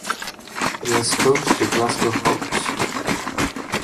He has coached the Glasgow Hawks.